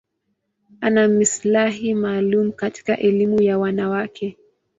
Ana maslahi maalum katika elimu ya wanawake.